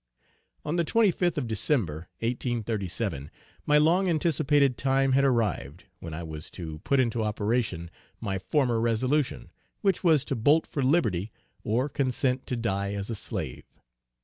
On the twenty fifth of December, 1837, my long anticipated time had arrived when I was to put into operation my former resolution, which was to bolt for Liberty or consent to die a Slave.